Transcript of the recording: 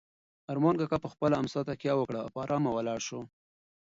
ارمان کاکا په خپله امسا تکیه وکړه او په ارامه ولاړ شو.